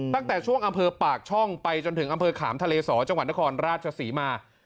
ตั้งแต่ช่วงอำเภอปากช่องไปจนถึงอำเภอขามทะเลสอจังหวัดนครราชศรีมา